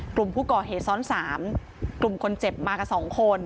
กลุ่มผู้ก่อเหตุซ้อน๓กลุ่มคนเจ็บมากับ๒คน